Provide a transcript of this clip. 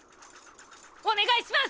お願いします！